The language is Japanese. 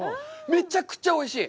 めちゃくちゃおいしい。